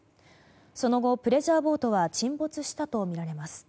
その後、プレジャーボートは沈没したとみられます。